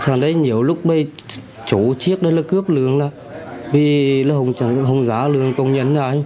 sáng nay nhiều lúc chú chiếc cướp lương vì không giá lương công nhân